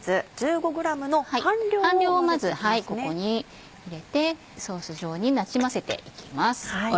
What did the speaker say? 半量をまずここに入れてソース状になじませて行きます。